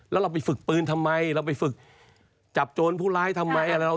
แล้วเราไปฝึกปืนทำไมเราไปฝึกจับโจรผู้ร้ายทำไมอะไร